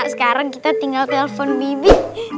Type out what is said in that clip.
sekarang kita tinggal telepon bibi